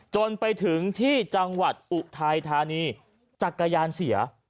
จนไปถึงที่จังหวัดอุทัยธานีจักรยานเสีย